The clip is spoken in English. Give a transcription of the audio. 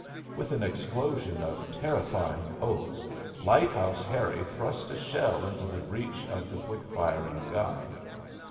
With an explosion of terrifying oaths Lighthouse Harry thrust a shell into the breech of the quick firing gun.